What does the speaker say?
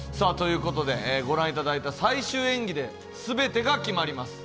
ご覧いただいた最終演技ですべてが決まります。